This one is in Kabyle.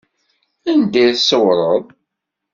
Anda i d-tṣewwreḍ?